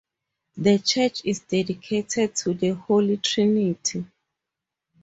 The church is dedicated to the Holy Trinity.